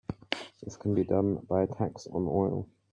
This can be done by a tax on oil.